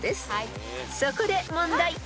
［そこで問題］